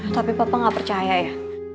tapi papa gak percaya ya